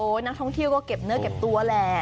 นักท่องเที่ยวก็เก็บเนื้อเก็บตัวแหละ